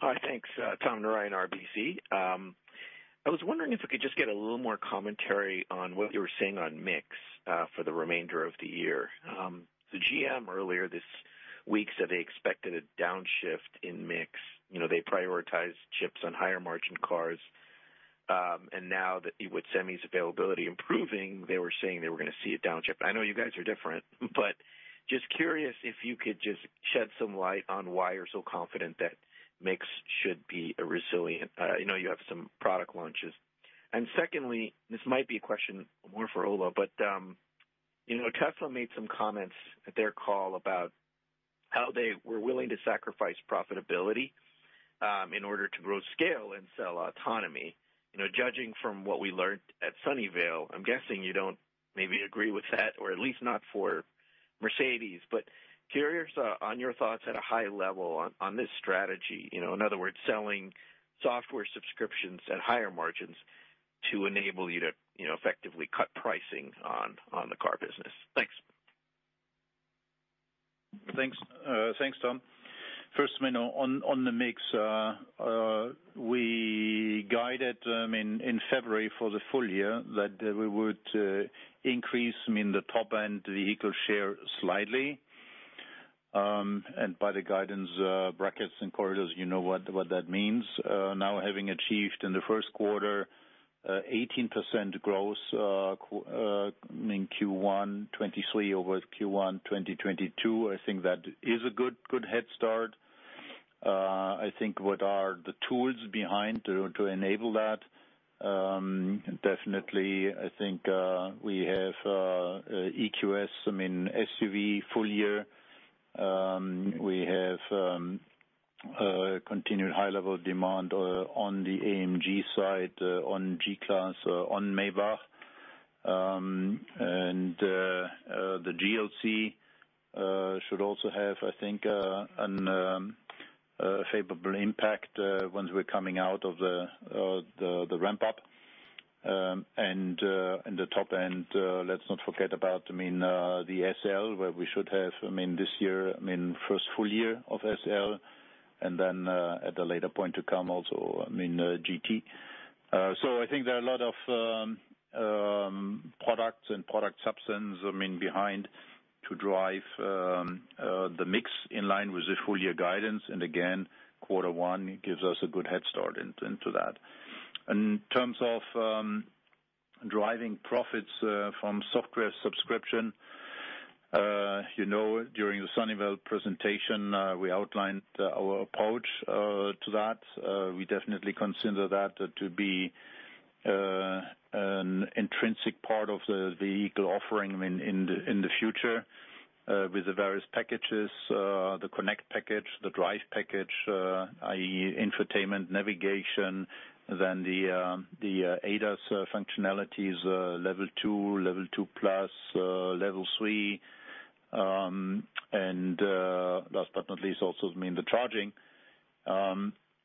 Hi, thanks. Tom Narayan, RBC. I was wondering if we could just get a little more commentary on what you were saying on mix for the remainder of the year. GM earlier this week said they expected a downshift in mix. You know, they prioritize chips on higher margin cars. Now that with semis availability improving they were saying they were going to see a downshift. I know you guys are different, but just curious if you could just shed some light on why you're so confident that mix should be a resilient. I know you have some product launches. Secondly, this might be a question more for Ola, but, you know, Tesla made some comments at their call about how they were willing to sacrifice profitability in order to grow scale and sell autonomy. You know, judging from what we learned at Sunnyvale, I'm guessing you don't maybe agree with that, or at least not for Mercedes. Curious on your thoughts at a high level on this strategy? You know, in other words, selling software subscriptions at higher margins to enable you to, you know, effectively cut pricing on the car business. Thanks. Thanks, Tom. First I mean on the mix. We guided in February for the full year that we would increase, I mean, the Top-End Vehicle share slightly. By the guidance brackets and corridors, you know what that means. Now having achieved in the Q1 18% growth, I mean, Q1 2023 over Q1 2022, I think that is a good head start. I think what are the tools behind to enable that? Definitely I think we have EQS, I mean, SUV full year. We have continued high level demand on the AMG side, on G-Class, on Maybach. also have, I think, a favorable impact once we're coming out of the ramp up. In the top end, let's not forget about the SL where we should have this year, first full year of SL, and then at a later point to come also GT. So I think there are a lot of products and product substance behind to drive the mix in line with the full year guidance. And again, quarter one gives us a good head start into that. In terms of driving profits from software subscription, you know, during the Sunnyvale presentation, we outlined our approach to that. We definitely consider that to be an intrinsic part of the vehicle offering in the future, with the various packages, the connect package, the drive package, i.e., infotainment navigation, then the ADAS functionalities, level 2, level 2 plus, level 3. Last but not least, also I mean the charging.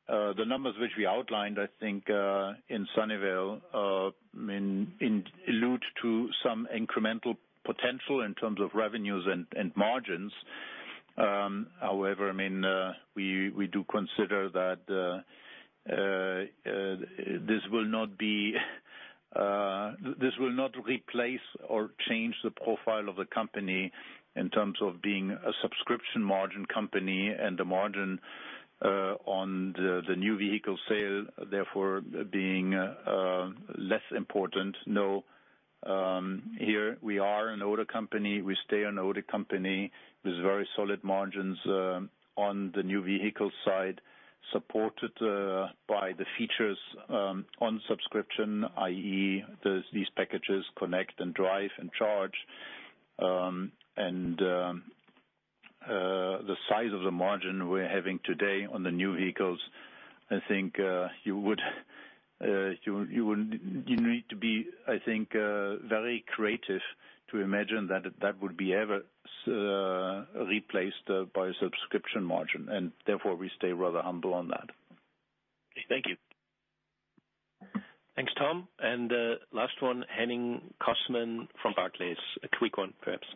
The numbers which we outlined, I think, in Sunnyvale, I mean, in allude to some incremental potential in terms of revenues and margins. However, I mean, we do consider that this will not replace or change the profile of the company in terms of being a subscription margin company and the margin on the new vehicle sale, therefore being less important. No, here we are an auto company. We stay an auto company. There's very solid margins on the new vehicle side, supported by the features on subscription, i.e., these packages connect and drive and charge. The size of the margin we're having today on the new vehicles, I think, you would need to be, I think, very creative to imagine that that would be ever replaced by a subscription margin. Therefore, we stay rather humble on that. Thank you. Thanks, Tom. Last one, Henning Cosman from Barclays. A quick one perhaps.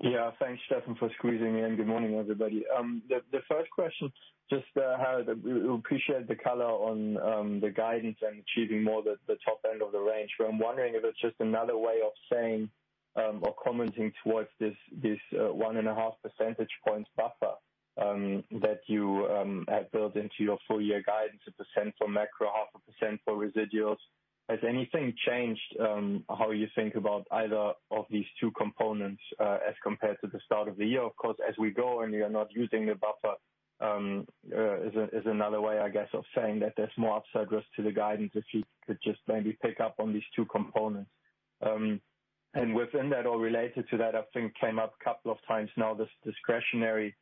Yeah. Thanks, Steffen, for squeezing me in. Good morning, everybody. The first question, just, how we appreciate the color on the guidance and achieving more the top end of the range. I'm wondering if it's just another way of saying, or commenting towards this, 1.5 percentage points buffer. That you have built into your full year guidance 1% for macro, 0.5% for residuals. Has anything changed how you think about either of these two components, as compared to the start of the year? Of course, as we go and we are not using the buffer, is another way, I guess, of saying that there's more upside risk to the guidance if you could just maybe pick up on these two components. Within that or related to that, I think came up a couple of times now, this discretionary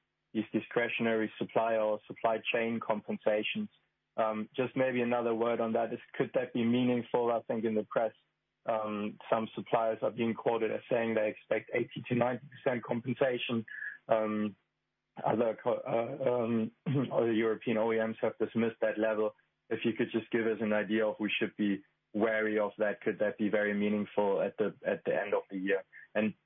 supply or supply chain compensations. Just maybe another word on that is could that be meaningful? I think in the press, some suppliers are being quoted as saying they expect 80%-90% compensation. Other European OEMs have dismissed that level. If you could just give us an idea of we should be wary of that, could that be very meaningful at the end of the year?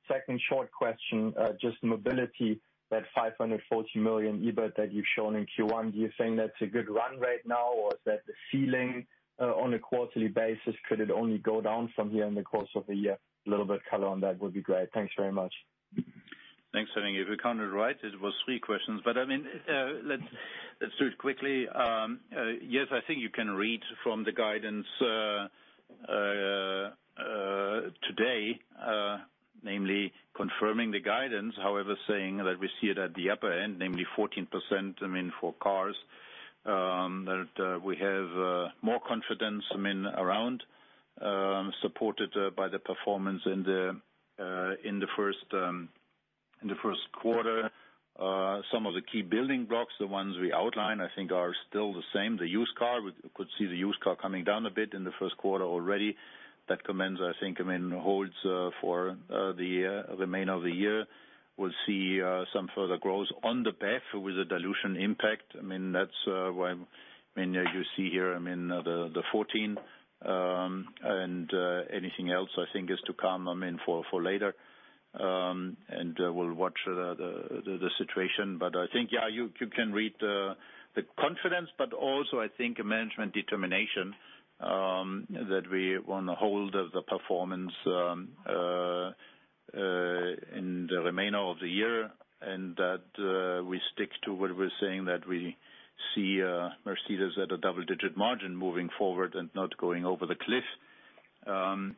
Second short question, just Mobility, that 540 million EBIT that you've shown in Q1, do you think that's a good run rate now, or is that the ceiling on a quarterly basis? Could it only go down from here in the course of a year? A little bit color on that would be great. Thanks very much. Thanks. If I counted right, it was three questions, I mean, let's do it quickly. Yes, I think you can read from the guidance today, namely confirming the guidance. However, saying that we see it at the upper end, namely 14%, I mean, for cars. That we have more confidence, I mean, around, supported by the performance in the Q1. Some of the key building blocks, the ones we outlined, I think are still the same. The used car, we could see the used car coming down a bit in the Q1 already. That commends, I think, I mean, holds for the year, remainder of the year. We'll see some further growth on the BEV with the dilution impact. I mean, that's why, I mean, as you see here, I mean, the 14, and anything else I think is to come, I mean, for later. We'll watch the situation. I think, yeah, you can read the confidence, but also I think management determination, that we wanna hold the performance in the remainder of the year. That we stick to what we're saying, that we see Mercedes at a double-digit margin moving forward and not going over the cliff, and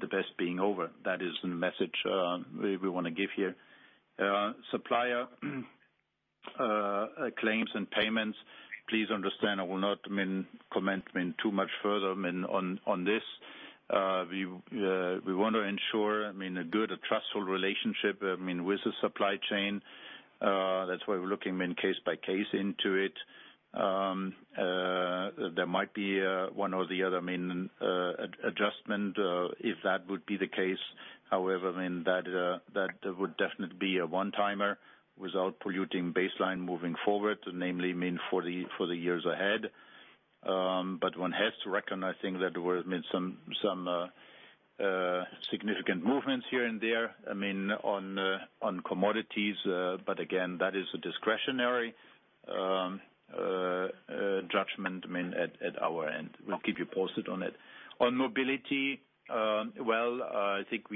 the best being over. That is the message we wanna give here. Supplier claims and payments, please understand I will not, I mean, comment, I mean, too much further, I mean, on this. We want to ensure a good, a trustful relationship with the supply chain. That's why we're looking case by case into it. There might be one or the other ad-adjustment if that would be the case. That would definitely be a one-timer without polluting baseline moving forward, namely for the years ahead. One has to recognize, I think, that there were some significant movements here and there on commodities. Again, that is a discretionary judgment at our end. We'll keep you posted on it. On Mobility, well, I think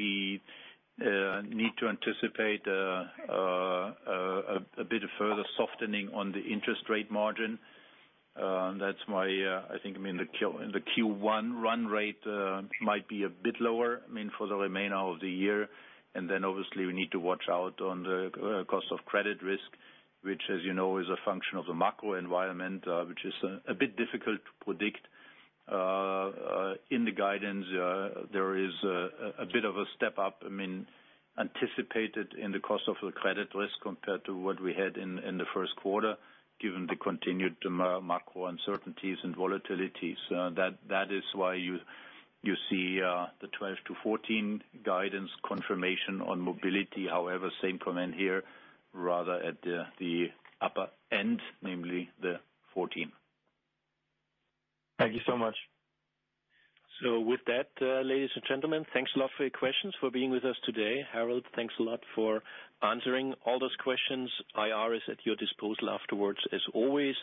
we need to anticipate a bit of further softening on the interest rate margin. That's why I think, I mean, the Q1 run rate might be a bit lower, I mean, for the remainder of the year. Obviously we need to watch out on the cost of credit risk, which, as you know, is a function of the macro environment, which is a bit difficult to predict. In the guidance, there is a bit of a step up, I mean, anticipated in the cost of the credit risk compared to what we had in the Q1, given the continued macro uncertainties and volatilities. That is why you see the 12%-14% guidance confirmation on Mobility. Same comment here, rather at the upper end, namely the 14. Thank you so much. With that, ladies and gentlemen, thanks a lot for your questions, for being with us today. Harald, thanks a lot for answering all those questions. IR is at your disposal afterwards, as always.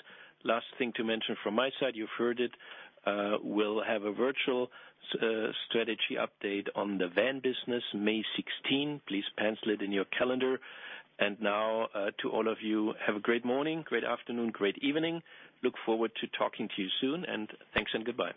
Last thing to mention from my side, you've heard it, we'll have a virtual strategy update on the van business May 16. Please pencil it in your calendar. Now, to all of you, have a great morning, great afternoon, great evening. Look forward to talking to you soon, and thanks and goodbye.